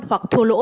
hoặc thua lỗ